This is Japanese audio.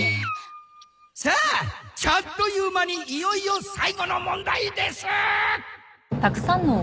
さあちゃっという間にいよいよ最後の問題です！